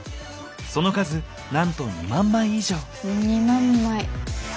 その数なんと２万枚以上。